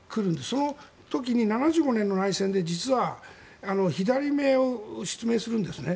その時に７５年の内戦で実は左目を失明するんですね。